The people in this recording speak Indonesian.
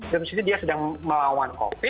jadi dia sedang melawan covid